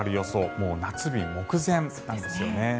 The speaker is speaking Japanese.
もう夏日目前なんですよね。